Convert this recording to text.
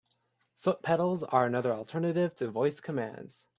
Foot pedals are another alternative to voice commands.